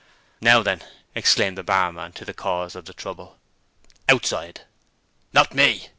'Now then!' exclaimed the barman to the cause of the trouble, 'Outside!' 'Not me!'